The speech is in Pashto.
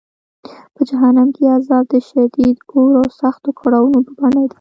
په جهنم کې عذاب د شدید اور او سختو کړاوونو په بڼه دی.